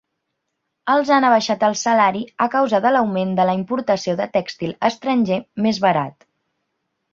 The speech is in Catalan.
Els han abaixat el salari a causa de l'augment de la importació de tèxtil estranger més barat.